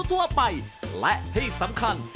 สวัสดีครับ